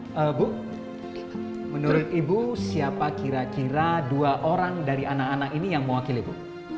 ibu menurut ibu siapa kira kira dua orang dari anak anak ini yang mewakili bu